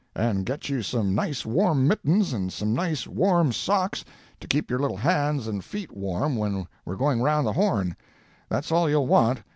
And get you some nice warm mittens, and some nice warm socks, to keep your little hands and feet warm when we're going round the Horn. That's all you'll want.